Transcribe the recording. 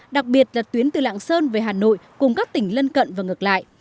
đặc biệt là tuyến từ lạng sơn về hà nội cùng các tỉnh lân cận và ngược lại